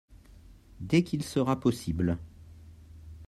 Dès qu'il sera possible.